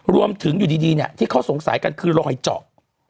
รวมถึงอยู่ดีดีเนี่ยที่เขาสงสัยกันคือลอยเจาะ